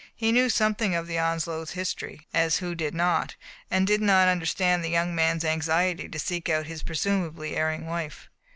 He knew something of the Onslows* history — as who did not — and did not understand the young man*s anxiety to seek out his presumably erring wife.